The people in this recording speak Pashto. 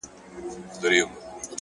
اوس چي سهار دى گراني;